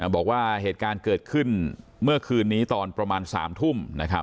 บอกว่าเหตุการณ์เกิดขึ้นเมื่อคืนนี้ตอนประมาณ๓ทุ่ม